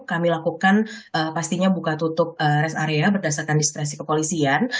ketika res area ini penuh kami lakukan pastinya buka tutup res area berdasarkan diskresi kepolisian